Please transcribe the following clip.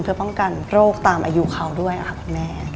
เพื่อป้องกันโรคตามอายุเขาด้วยค่ะคุณแม่